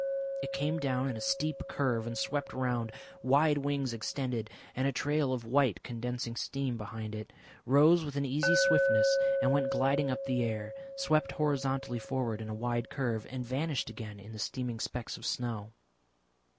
It came down in a steep curve and swept round, wide wings extended and a trail of white condensing steam behind it, rose with an easy swiftness and went gliding up the air, swept horizontally forward in a wide curve, and vanished again in the steaming specks of snow.